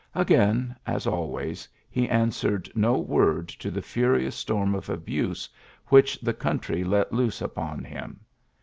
Again, as always, he answered no word to the furious storm of abuse which the coun try let loose upon him.